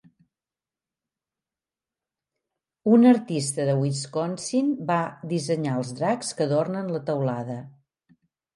Un artista de Wisconsin va dissenyar els dracs que adornen la teulada.